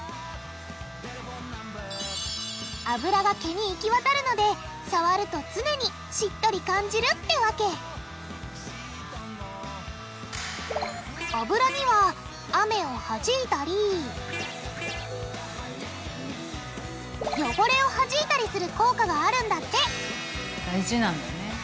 あぶらが毛に行き渡るので触ると常にしっとり感じるってわけあぶらには雨をはじいたりよごれをはじいたりする効果があるんだって大事なんだね。